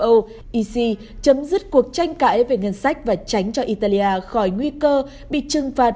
eu ec chấm dứt cuộc tranh cãi về ngân sách và tránh cho italia khỏi nguy cơ bị trừng phạt